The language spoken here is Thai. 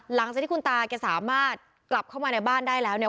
หลังจากที่คุณตาแกสามารถกลับเข้ามาในบ้านได้แล้วเนี่ย